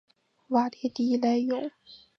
瓦勒迪莱永。